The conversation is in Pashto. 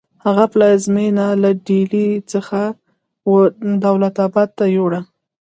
هغه پلازمینه له ډیلي څخه دولت اباد ته یوړه.